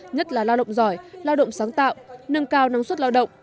nhất là lao động giỏi lao động sáng tạo nâng cao năng suất lao động